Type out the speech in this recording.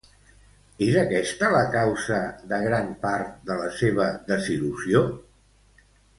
És aquesta la causa de gran part de la seva desil·lusió?